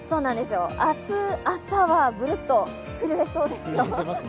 明日朝はブルッと震えそうですよ。